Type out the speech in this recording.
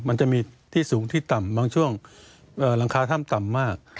มันจะมีที่สูงที่ต่ำบางช่วงหลังคาถ้ำต่ำมาก